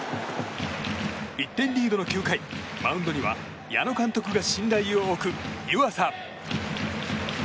１点リードの９回、マウンドには矢野監督が信頼を置く湯浅。